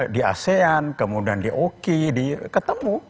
di asean kemudian di oki ketemu